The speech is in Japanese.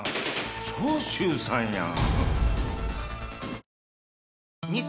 長州さんやん。